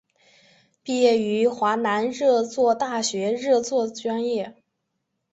毕业于华南热作大学热作专业。